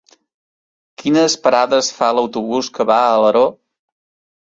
Quines parades fa l'autobús que va a Alaró?